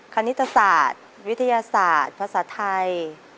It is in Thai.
คณิตศาสตร์วิทยาศาสตร์ภาษาไทย